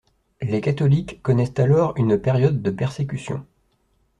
Les catholiques connaissent alors une période de persécutions.